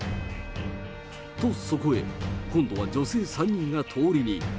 と、そこへ、今度は女性３人が通りに。